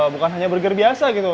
bukan hanya burger biasa gitu